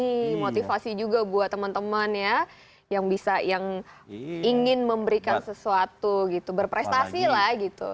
inspirasi juga buat temen temen ya yang bisa yang ingin memberikan sesuatu gitu berprestasi lah gitu